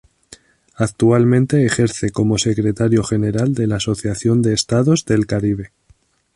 Actualmente ejerce como Secretario General de la Asociación de Estados del Caribe.